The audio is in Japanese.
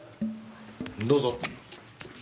どうぞ。